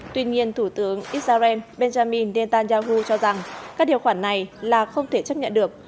tuy nhiên thủ tướng israel benjamin netanyahu cho rằng các điều khoản này là không thể chấp nhận được